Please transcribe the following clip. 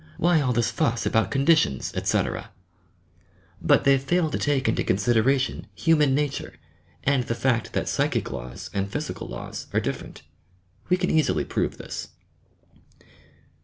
"Why ail this fuss about con ditions, etc.t" But they fail to take into consideration human nature, and the fact that psychic laws and physical laws are different. We can easily prove this.